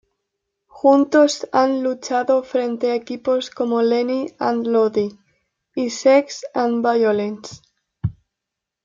Juntos han luchado frente a equipos como Lenny and Lodi y Sex and Violence.